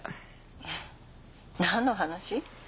え何の話？